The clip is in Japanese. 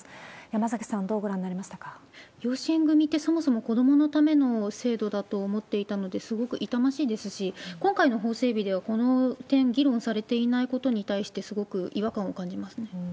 山崎さん、どうご覧になりました養子縁組みって、そもそも子どものための制度だと思っていたので、すごく痛ましいですし、今回の法整備では、この点、議論されていないことに対して、すごく違和感を感じますね。